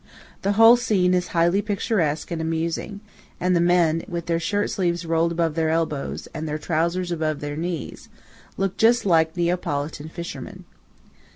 The whole scene is highly picturesque and amusing; and the men, with their shirt sleeves rolled above their elbows, and their trowsers above their knees, look just like Neapolitan fishermen.